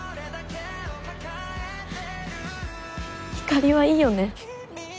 ひかりはいいよね。